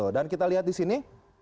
dan kita lihat di sini